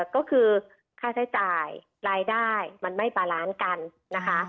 ก็คือค่าใช้จ่ายรายได้มันไม่บาลานซ์กันนะคะ